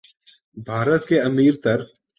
بھارت کے امیر تر